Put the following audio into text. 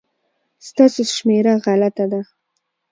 ستاسو شمېره غلطه ده